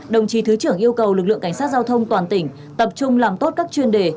đồng chí thứ trưởng yêu cầu lực lượng cảnh sát giao thông toàn tỉnh tập trung làm tốt các chuyên đề